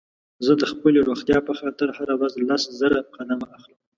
زه د خپلې روغتيا په خاطر هره ورځ لس زره قدمه اخلم